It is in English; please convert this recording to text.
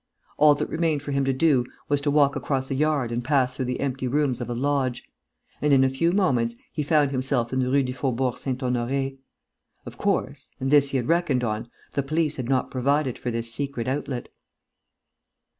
All that remained for him to do was to walk across a yard and pass through the empty rooms of a lodge; and in a few moments he found himself in the Rue du Faubourg Saint Honoré. Of course and this he had reckoned on the police had not provided for this secret outlet.